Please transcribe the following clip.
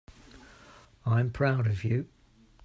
I'm proud of you.